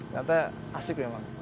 ternyata asik memang